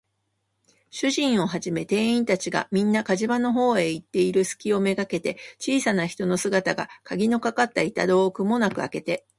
主人をはじめ店員たちが、みんな火事場のほうへ行っているすきをめがけて、小さな人の姿が、かぎのかかった板戸をくもなくあけて、